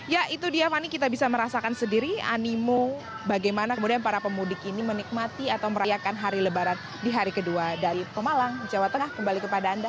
ya itu dia fani kita bisa merasakan sendiri animo bagaimana kemudian para pemudik ini menikmati atau merayakan hari lebaran di hari kedua dari pemalang jawa tengah kembali kepada anda